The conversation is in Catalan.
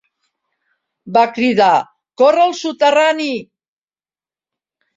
Va cridar: "corre al soterrani!"